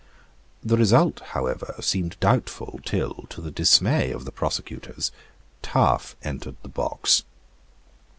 The result however seemed doubtful till, to the dismay of the prosecutors, Taaffe entered the box.